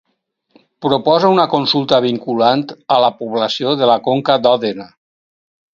Proposa una consulta vinculant a la població de la Conca d'Òdena.